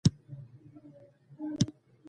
د غوا شیدې په بېلابېلو خوړو کې کارېږي.